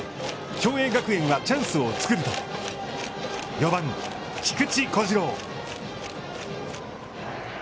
共栄学園はチャンスを作ると４番・菊池虎志朗。